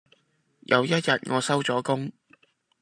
有一日我收咗工